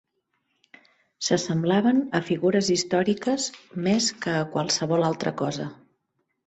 S'assemblaven a figures històriques més que a qualsevol altra cosa.